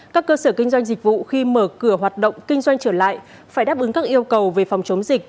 các cơ sở kinh doanh dịch vụ khi mở cửa hoạt động kinh doanh trở lại phải đáp ứng các yêu cầu về phòng chống dịch